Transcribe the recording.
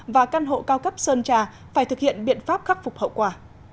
và căn hộ cao cấp sơn trà phải thực hiện biện pháp khắc phục hậu quả